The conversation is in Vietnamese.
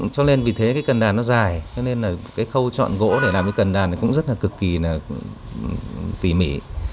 cho nên vì thế cái cần đàn nó dài cho nên là cái khâu chọn gỗ để làm cái cần đàn này cũng rất là cực kỳ là tỉ mỉ